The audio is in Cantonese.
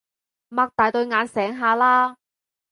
擘大對眼醒下啦